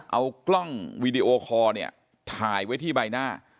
เอากล้องวีดีโอคอร์เนี่ยถ่ายไว้ที่ใบหน้า